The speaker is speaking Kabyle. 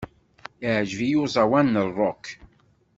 Iεǧeb-iyi uẓawan n rock.